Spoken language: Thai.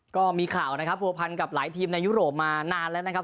ก็มีข่าวนะครับผัวพันกับหลายทีมในยุโรปมานานแล้วนะครับ